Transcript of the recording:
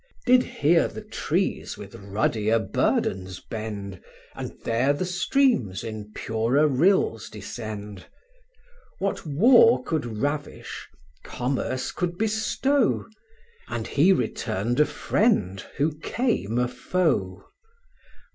Did here the trees with ruddier burdens bend, And there the streams in purer rills descend? What war could ravish, commerce could bestow, And he returned a friend, who came a foe.